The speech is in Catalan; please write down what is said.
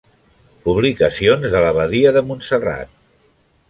Publicacions de l'Abadia de Montserrat.